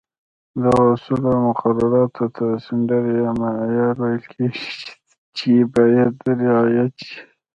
دغو اصولو او مقرراتو ته سټنډرډ یا معیار ویل کېږي، چې باید رعایت شي.